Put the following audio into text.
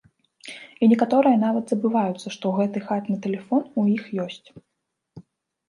І некаторыя нават забываюцца, што гэты хатні тэлефон у іх ёсць.